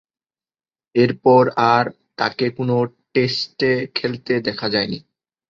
এরপর আর তাকে কোন টেস্টে খেলতে দেখা যায়নি।